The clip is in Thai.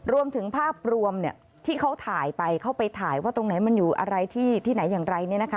รวมถึงภาพรวมที่เขาถ่ายไปเขาไปถ่ายว่าตรงไหนมันอยู่อะไรที่ไหนอย่างไร